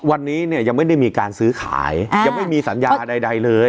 วันนี้เนี่ยยังไม่ได้มีการซื้อขายยังไม่มีสัญญาใดเลย